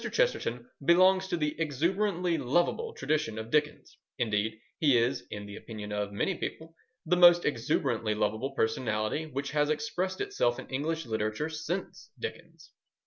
Chesterton belongs to the exuberantly lovable tradition of Dickens; indeed, he is, in the opinion of many people, the most exuberantly lovable personality which has expressed itself in English literature since Dickens.